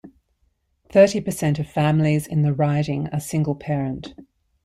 Thirty per cent of families in the riding are single-parent.